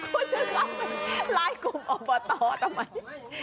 คุณจะเข้าไปลายกลุ่มอบตทำไม